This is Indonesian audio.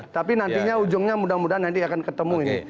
tapi nantinya ujungnya mudah mudahan nanti akan ketemu ini